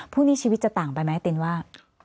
พรุ่งนี้ชีวิตจะต่างไปไหมตินว่า